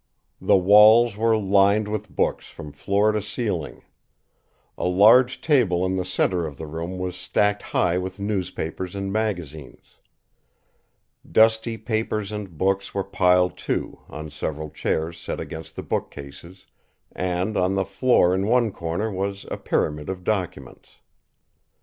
The walls were lined with books from floor to ceiling. A large table in the centre of the room was stacked high with newspapers and magazines. Dusty papers and books were piled, too, on several chairs set against the bookcases, and on the floor in one corner was a pyramid of documents.